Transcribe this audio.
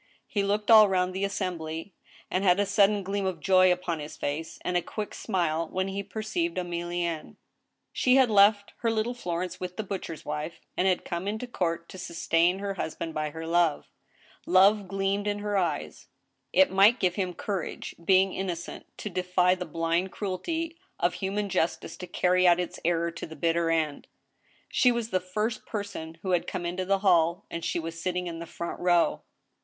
He looked all round the assembly, and had a sudden gleam of joy upon his face, and a quick smile^ when he perceived Emili enne. She had left her little Florence with the butcher's wife, and had come into court to sustain her husband by her love. Love gleamed in her eyes. It might give him courage, being innocent, to defy the blind cruelty of human justice to carry out its error to the bitter end! She was the first person who had come into the hall, and she was sitting in the front row.